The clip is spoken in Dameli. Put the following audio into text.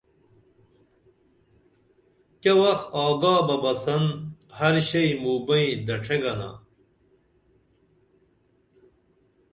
کیہ وختہ آگا بہ بسن ہر شئی موں بئیں دڇھے گنا